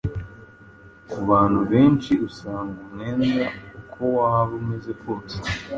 Ku bantu benshi, usanga umwenda uko waba umeze kose